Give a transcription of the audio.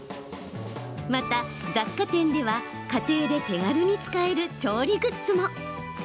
また、雑貨店では家庭で手軽に使える調理グッズも。